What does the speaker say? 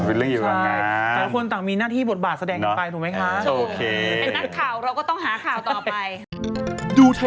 แต่ละคนต่างมีหน้าที่บทบาทแสดงอีกไปถูกมั้ยคะ